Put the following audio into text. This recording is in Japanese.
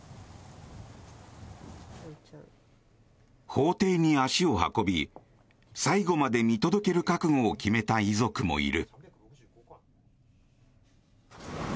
法廷に足を運び最後まで見届ける覚悟を決めた遺族もいる。